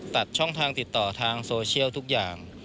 ตัดช่องทางติดต่อทางโซเชียลทุกอย่าง